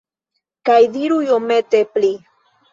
Kaj diru iomete pli